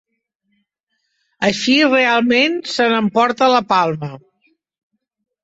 Així realment se n'emporta la palma.